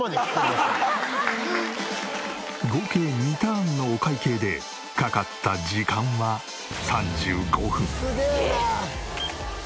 合計２ターンのお会計でかかった時間は３５分。